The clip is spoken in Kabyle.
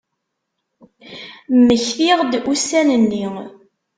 Mmektiɣ-d ussan-nni.